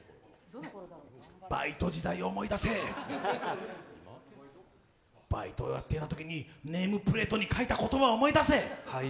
バイト時代を思い出せ、バイトをやってたときにネームプレートに書いていたことを思い出せ！